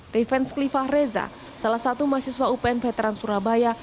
riven sklifah reza salah satu mahasiswa upn veteran surabaya